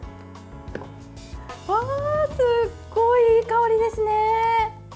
すごいいい香りですね！